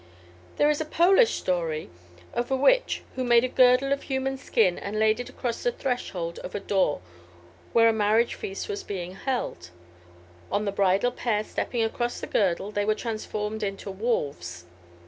There is a Polish story of a witch who made a girdle of human skin and laid it across the threshold of a door where a marriage feast was being held. On the bridal pair stepping across the girdle they were transformed into wolves.